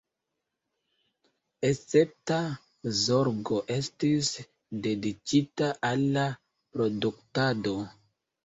Escepta zorgo estis dediĉita al la produktado.